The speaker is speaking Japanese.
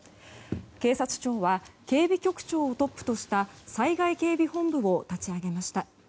警察庁は警備局長をトップとした災害警備本部を立ち上げました。